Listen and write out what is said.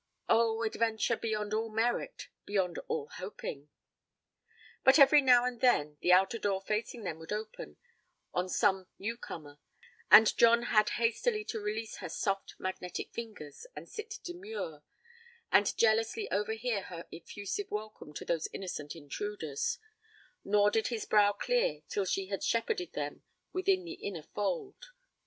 Oh, adventure beyond all merit, beyond all hoping! But every now and then, the outer door facing them would open on some newcomer, and John had hastily to release her soft magnetic fingers and sit demure, and jealously overhear her effusive welcome to those innocent intruders, nor did his brow clear till she had shepherded them within the inner fold.